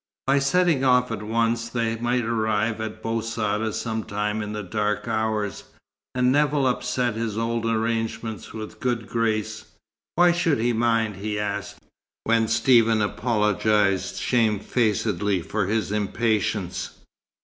By setting off at once, they might arrive at Bou Saada some time in the dark hours; and Nevill upset his old arrangements with good grace. Why should he mind? he asked, when Stephen apologized shame facedly for his impatience.